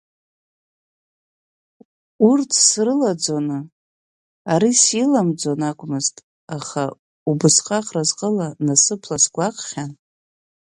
Урҭ срылаӡоны, ари силамӡон акәмызт, аха убасҟак разҟыла, насыԥла сгәаҟхьан.